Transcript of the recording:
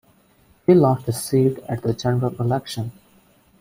He lost his seat at the General Election.